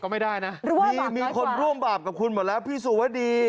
เฮ้ยร่วงแบบน้อยกว่ามีคนร่วงแบบกับคุณหมดแล้วพี่สุวดี